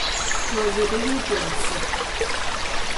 جاذبهی جنسی